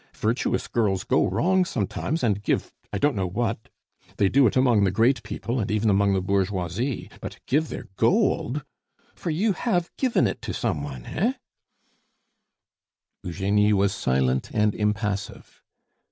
Virtuous girls go wrong sometimes, and give I don't know what; they do it among the great people, and even among the bourgeoisie. But give their gold! for you have given it to some one, hein? " Eugenie was silent and impassive.